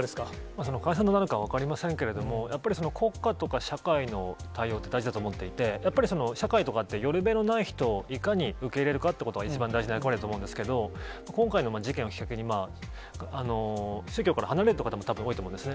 その解散となるか分かりませんけれども、やっぱり国家とか社会の対応って大事だと思っていて、やっぱり社会とかって、寄る辺のない人を、いかに受け入れるかということが一番大事な役割だと思うんですけど、今回の事件をきっかけに、宗教から離れる方もたぶん多いと思うんですね。